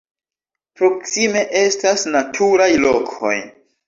Proksime estas naturaj lokoj.